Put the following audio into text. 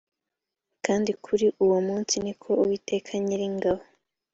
kandi kuri uwo munsi ni ko uwiteka nyiringabo